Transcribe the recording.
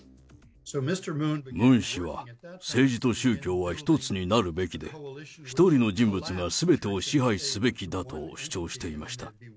ムン氏は、政治と宗教は１つになるべきで、一人の人物がすべてを支配すべきだと主張していました。